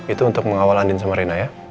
itu untuk mengawal andin sama rina ya